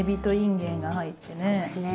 そうですね。